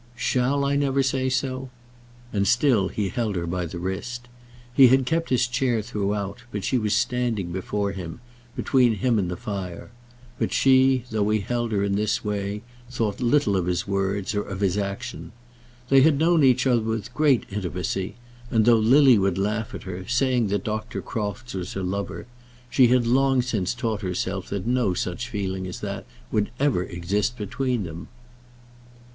"Shall I never say so?" And still he held her by the wrist. He had kept his chair throughout, but she was standing before him, between him and the fire. But she, though he held her in this way, thought little of his words, or of his action. They had known each other with great intimacy, and though Lily would still laugh at her, saying that Dr. Crofts was her lover, she had long since taught herself that no such feeling as that would ever exist between them.